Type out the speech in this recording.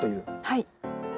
はい。